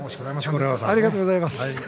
ありがとうございます。